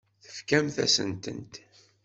Tefkamt-asen-tent.